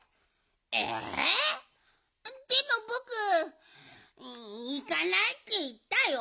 えでもぼくいかないっていったよ。